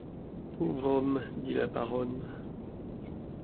Pauvre homme ! dit la baronne.